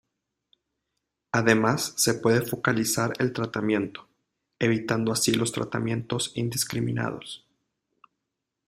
Además se puede focalizar el tratamiento, evitando así los tratamientos indiscriminados.